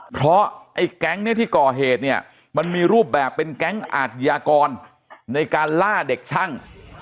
เพราะไอ้แก๊งเนี่ยที่ก่อเหตุเนี่ยมันมีรูปแบบเป็นแก๊งอาทยากรในการล่าเด็กช่าง